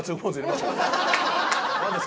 何ですか？